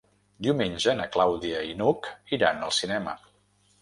Diumenge na Clàudia i n'Hug iran al cinema.